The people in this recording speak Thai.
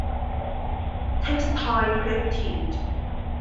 เท็กซ์ไทล์เพรสทีจ